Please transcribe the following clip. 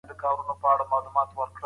تاریخ ولي تل د حقایقو پر بنسټ نه وي؟